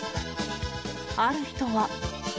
ある人は。